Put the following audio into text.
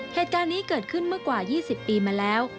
เหตุการณ์นี้เกิดขึ้นเมื่อกว่า๒๐ปีมาแล้ว